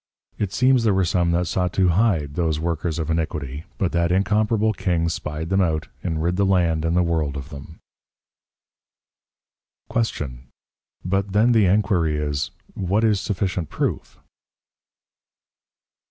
_ It seems there were some that sought to hide those Workers of Iniquity, but that incomparable King spied them out, and rid the Land and the World of them. Q. But then the Enquiry is, _What is sufficient Proof?